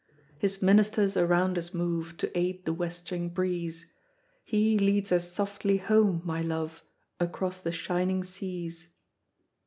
His ministers around us move To aid the westering breeze, He leads us softly home, my love, Across the shining seas.